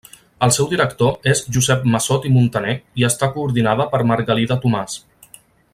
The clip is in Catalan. El seu director és Josep Massot i Muntaner i està coordinada per Margalida Tomàs.